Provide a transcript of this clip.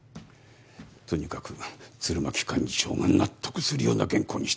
とにかく鶴巻幹事長が納得するような原稿にしてくれ。